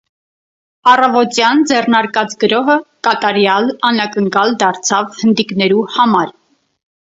Առաւօտեան ձեռնարկած գրոհը կատարեալ անակնկալ դարձաւ հնդիկներու համար։